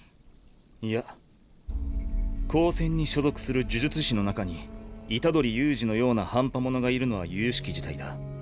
いや高専に所属する呪術師の中に虎杖悠仁のような半端者がいるのはゆゆしき事態だ。